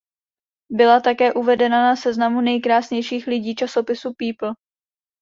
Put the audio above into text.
Byla také uvedena na seznamu nejkrásnějších lidí časopisu "People".